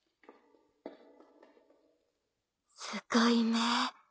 すごい目。